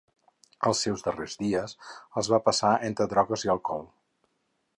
Els seus darrers dies els va passar entre drogues i alcohol.